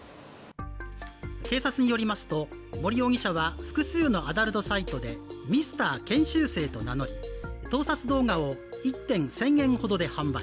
警察によりますと、森容疑者は複数のアダルトサイトでミスター研修生と名乗り盗撮動画を１点１０００円ほどで販売。